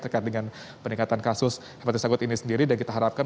terkait dengan peningkatan kasus hepatitis akut ini sendiri dan kita harapkan